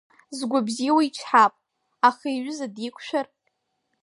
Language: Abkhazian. Згәы бзиоу ичҳап, аха иҩыза диқәшәар?